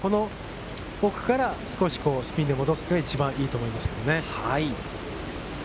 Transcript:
奥からスピンで戻すというのが一番いいと思いますけどね。